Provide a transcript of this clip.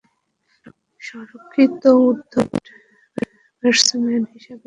সংরক্ষিত উদ্বোধনী ব্যাটসম্যান হিসেবে তাকে ভারত দলে রাখা হয়েছিল।